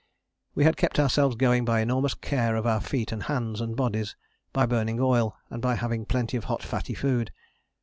We had kept ourselves going by enormous care of our feet and hands and bodies, by burning oil, and by having plenty of hot fatty food.